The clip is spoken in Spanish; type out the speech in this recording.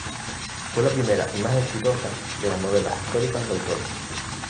Fue la primera y más exitosa de las novelas históricas del autor.